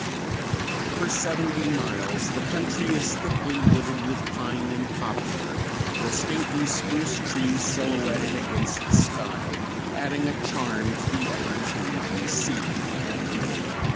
For seventy miles the country is thickly wooded with pine and poplar, the stately spruce trees silhouetted against the sky adding a charm to the ever changing scene.